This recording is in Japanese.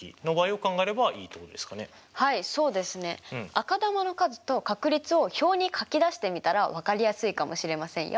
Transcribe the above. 赤球の数と確率を表に書き出してみたら分かりやすいかもしれませんよ。